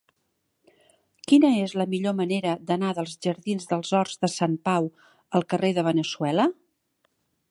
Quina és la millor manera d'anar dels jardins dels Horts de Sant Pau al carrer de Veneçuela?